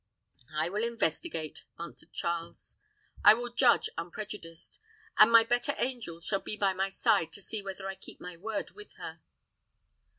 "I will investigate," answered Charles. "I will judge unprejudiced; and my better angel shall be by my side to see whether I keep my word with her."